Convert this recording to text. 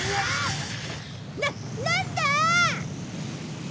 ななんだ！？